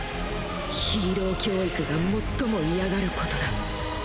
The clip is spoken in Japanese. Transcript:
ヒーロー教育が最も嫌がる事だ。